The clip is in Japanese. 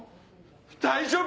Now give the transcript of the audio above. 大丈夫？